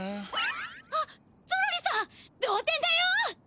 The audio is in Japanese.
あっゾロリさん同点だよ！